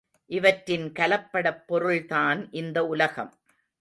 இவற்றின் கலப்படப் பொருள்தான் இந்த உலகம்!